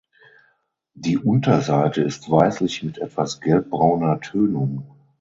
Die Unterseite ist weißlich mit etwas gelbbrauner Tönung.